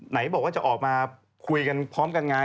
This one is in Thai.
ไหนบอกว่าจะออกมาคุยกันพร้อมกันไง